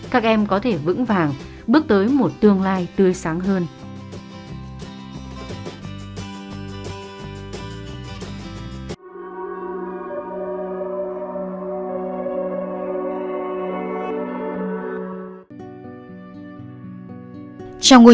các em có thể vững vàng bước tới một tương lai tươi sáng hơn